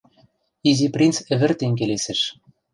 — Изи принц ӹвӹртен келесӹш.